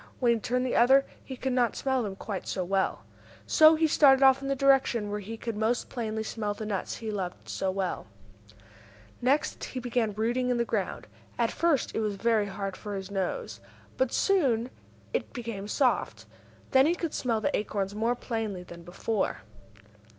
When he turned the other way he could not smell them quite so well. So he started off in the direction where he could most plainly smell the nuts he loved so well. Next he began rooting in the ground. At first it was very hard for his nose, but soon it became soft. Then he could smell the acorns more plainly than before.